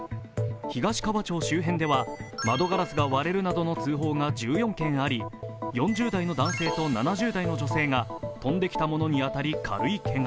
東川町周辺では窓ガラスが割れるなどの通報が１４件あり、４０代の男性と７０代の女性が飛んできたものに当たり軽いけが。